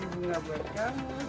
ini bunga buat kamu